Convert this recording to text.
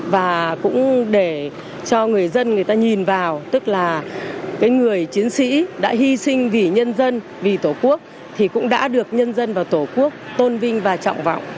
và cũng để cho người dân người ta nhìn vào tức là cái người chiến sĩ đã hy sinh vì nhân dân vì tổ quốc thì cũng đã được nhân dân và tổ quốc tôn vinh và trọng vọng